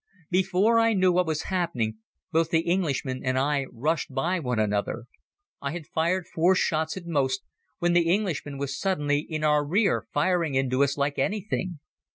Before I knew what was happening both the Englishman and I rushed by one another. I had fired four shots at most while the Englishman was suddenly in our rear firing into us like anything.